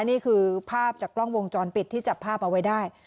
นี่คือภาพจากกล้องวงจรปิดที่จับภาพเอาไว้ได้